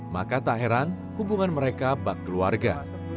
maka tak heran hubungan mereka bak keluarga